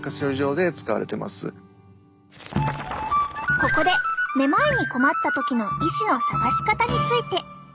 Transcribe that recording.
ここでめまいに困った時の医師の探し方について。